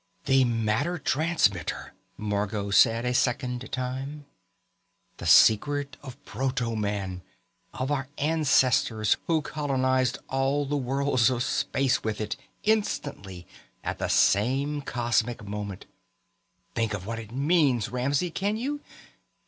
"The matter transmitter," Margot said a second time. "The secret of proto man, of our ancestors who colonized all the worlds of space with it, instantly, at the same cosmic moment. Think of what it means, Ramsey, can you?